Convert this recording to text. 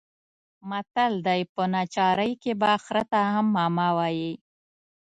متل دی: په ناچارۍ کې به خره ته هم ماما وايې.